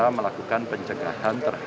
ini adalah k belief terima kasih strong ezik